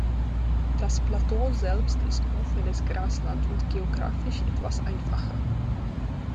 Das Plateau selbst ist offenes Grasland und geographisch etwas einfacher.